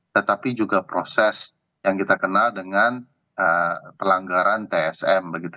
tetapi juga proses yang kita kenal dengan pelanggaran tsm